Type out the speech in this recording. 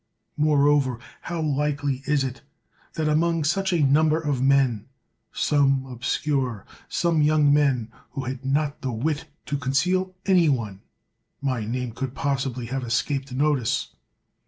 Moreover, how likely it is, that among such a number of men, some obscure, some young men who had not the wit to conceal any one, my name could possibly have escaped notice?